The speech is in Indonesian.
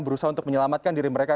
berusaha untuk menyelamatkan diri mereka